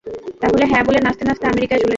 তাহলে হ্যাঁ বলে নাচতে নাচতে আমেরিকায় চলে যাও।